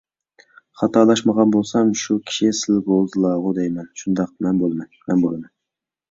_ خاتالاشمىغان بولسام شۇ كىشى سىلى بولىدىلاغۇ دەيمەن؟ − شۇنداق، مەن بولىمەن، مەن بولىمەن.